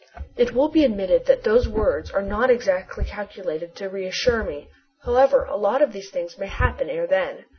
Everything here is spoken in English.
It will be admitted that these words are not exactly calculated to reassure me. However, a lot of things may happen ere then.